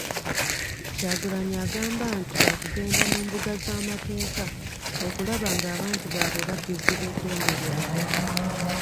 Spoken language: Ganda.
Kyagulanyi agamba nti baakugenda mu mbuga z’amateeka okulaba ng’abantu baabwe baddizibwa eddembe lyabwe.